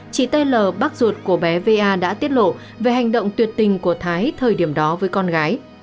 chị tây lờ bắc ruột của bé va đã tiết lộ về hành động tuyệt tình của thái thời điểm đó với con gái